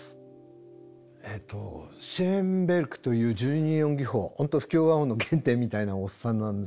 えっとシェーンベルクという十二音技法不協和音の原点みたいなおっさんなんですけども。